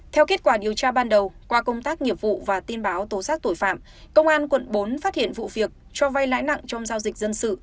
theo kết quả điều tra ban đầu qua công tác nghiệp vụ và tin báo tố xác tội phạm công an quận bốn phát hiện vụ việc cho vay lãi nặng trong giao dịch dân sự